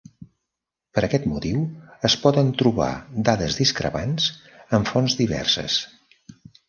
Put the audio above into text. Per aquest motiu es poden trobar dades discrepants en fonts diverses.